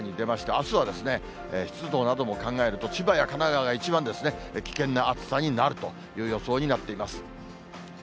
あすはですね、湿度なども考えると、千葉や神奈川が一番ですね、危険な暑さになるという予想になっています。